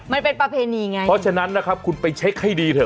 มันเป็นประเพณีไงเพราะฉะนั้นนะครับคุณไปเช็คให้ดีเถอ